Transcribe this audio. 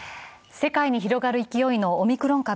世界に広がる勢いのオミクロン株。